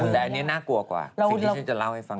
แต่อันนี้น่ากลัวกว่าสิ่งที่ฉันจะเล่าให้ฟัง